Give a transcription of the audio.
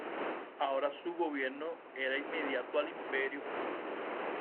Ahora su gobierno era inmediato al Imperio.